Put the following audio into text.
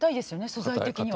素材的には。